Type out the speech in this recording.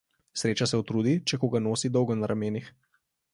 Sreča se utrudi, če koga nosi dolgo na ramenih.